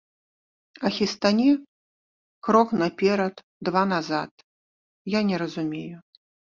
А хістанне, крок наперад, два назад, я не разумею.